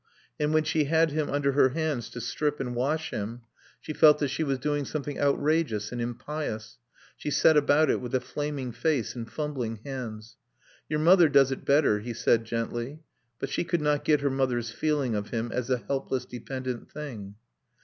And when she had him under her hands to strip and wash him, she felt that she was doing something outrageous and impious; she set about it with a flaming face and fumbling hands. "Your mother does it better," he said gently. But she could not get her mother's feeling of him as a helpless, dependent thing.